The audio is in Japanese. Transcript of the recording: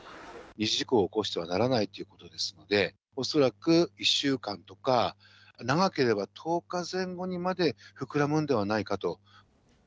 二次事故を起こしてはならないということですので、恐らく１週間とか、長ければ１０日前後にまで膨らむんではないかと。